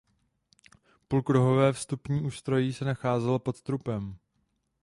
Půlkruhové vstupní ústrojí se nacházelo pod trupem.